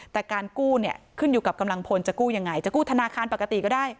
แต่การกู้เนี่ยขึ้นอยู่กับกำลังพลจะกู้ยังไงจะกู้ธนาคารปกติก็ได้